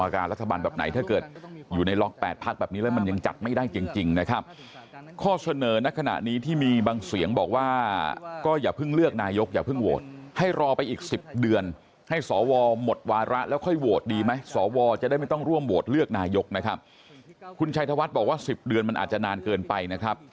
ของประชาชนเนี่ยเกิดขึ้นไม่ได้